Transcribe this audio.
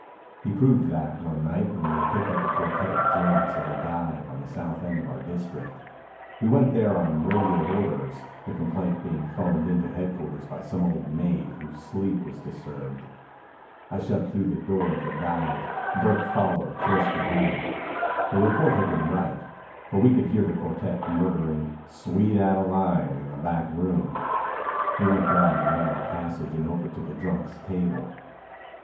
He proved that one night when we picked up a quartet of drunks at a dive on the south end of our district. We went there on radioed orders, the complaint being phoned into headquarters by some old maid whose sleep was disturbed. I shoved through the door of the dive, Burke following close behind. The report had been right, for we could hear the quartet murdering 'Sweet Adeline' in the back room. We went down the narrow passage and over to the drunks' table.